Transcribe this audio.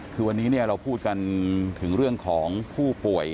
คือวันนี้เราพูดกันถึงเรื่องของผู้ป่วย